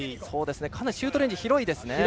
シュートレンジ広いですね。